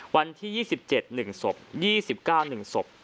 วันที่๒๗หนึ่งศพ๒๙หนึ่งศพ